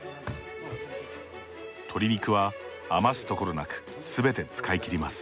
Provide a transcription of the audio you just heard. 鶏肉は余すところなく全て使い切ります。